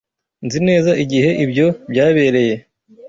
Nzi neza igihe ibyo byabereye.